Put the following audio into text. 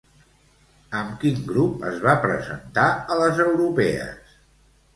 Amb quin grup es va presentar a les europees?